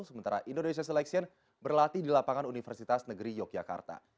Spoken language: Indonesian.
sementara indonesia selection berlatih di lapangan universitas negeri yogyakarta